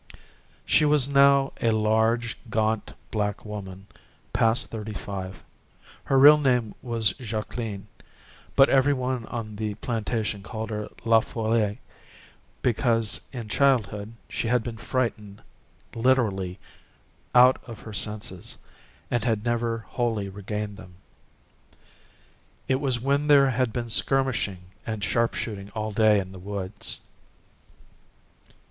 She was now a large, gaunt black woman, past thirty five. Her real name was Jacqueline, but every one on the plantation called her La Folle, because in childhood she had been frightened literally "out of her senses," and had never wholly regained them. It was when there had been skirmishing and sharpshooting all day in the woods.